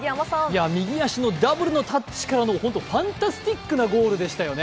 右足のダブルのタッチからのファンタスティックなゴールでしたよね。